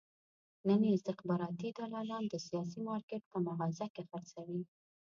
نن یې استخباراتي دلالان د سیاسي مارکېټ په مغازه کې خرڅوي.